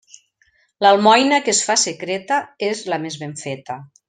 L'almoina que es fa secreta és la més ben feta.